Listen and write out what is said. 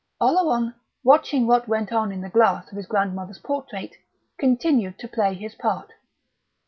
Oleron, watching what went on in the glass of his grandmother's portrait, continued to play his part.